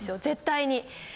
絶対に。